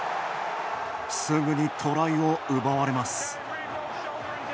すぐにトライを奪われます。